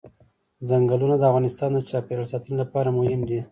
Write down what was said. چنګلونه د افغانستان د چاپیریال ساتنې لپاره مهم دي.